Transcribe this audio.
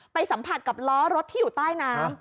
สัมผัสกับล้อรถที่อยู่ใต้น้ำ